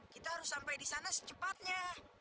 kita harus sampai disana secepatnya